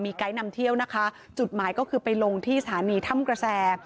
ไกด์นำเที่ยวนะคะจุดหมายก็คือไปลงที่สถานีถ้ำกระแส